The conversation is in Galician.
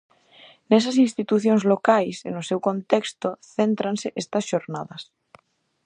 Nesas institucións locais e no seu contexto céntranse estas xornadas.